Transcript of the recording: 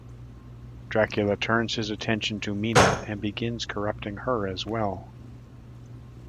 Dracula turns his attention to Mina and begins corrupting her as well.